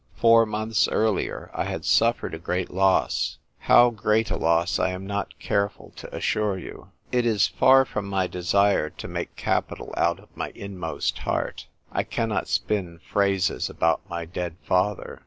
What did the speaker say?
Four months earlier I had suffered a great loss. How great a loss I am not careful to assure you. It is far from my desire to make capital out of my inmost heart. I cannot spin phrases about my dead father.